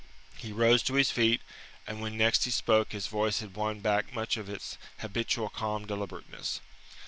He rose to his feet, and when next he spoke his voice had won back much of its habitual calm deliberateness.